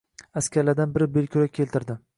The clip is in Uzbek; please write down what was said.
Askarlardan biri belkurak keltirdi